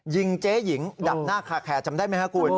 ยิงเจ๊หญิงดับหน้าคาแคระจำได้ไหมฮะคุณ